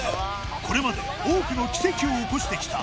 これまで多くの奇跡を起こしてきた・